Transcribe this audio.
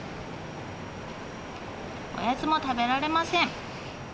おやつも食べられません。